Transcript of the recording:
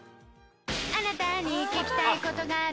あなたに聞きたい事がある